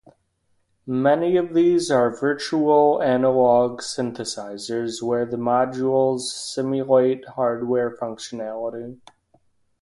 Many of these are virtual analog synthesizers, where the modules simulate hardware functionality.